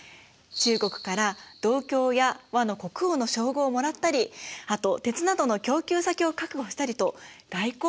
中国から銅鏡や倭の国王の称号をもらったりあと鉄などの供給先を確保したりと外交もしていたんです。